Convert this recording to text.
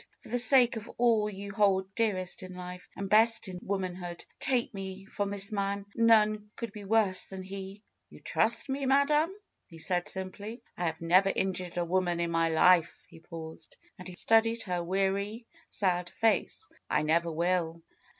For the sake of all you hold dearest in life and best in womanhood, take me from this man. None could be worse than he!" ^^You trust me. Madam,'' he said simply. have never injured a woman in my life and," he paused, as he studied her weary, sad face, never will."